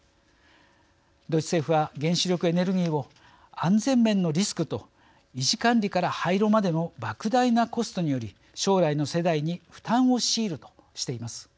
ドイツ政府は原子力エネルギーを安全面のリスクと維持管理から廃炉までのばく大なコストにより将来の世代に負担を強いるとしています。